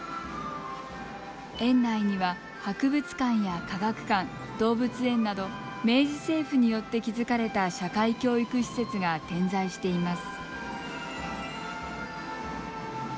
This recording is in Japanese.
園内には博物館や科学館動物園など明治政府によって築かれた社会教育施設が点在しています。